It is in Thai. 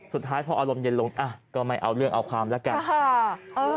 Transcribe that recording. สุดท้ายพออารมณ์เย็นลงก็ไม่เอาเรื่องเอาความแล้วกัน